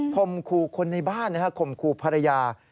ข่มคูคนในบ้านนะข่มคูภรรยา